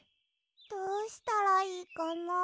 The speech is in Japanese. どうしたらいいかな？